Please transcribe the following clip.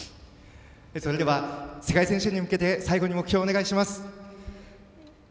それでは世界選手権に向けて最後に目標をお願いします。